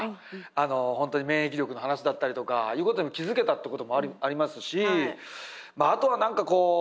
本当に免疫力の話だったりとかいうことにも気付けたってこともありますしあとは何かこう何だろう？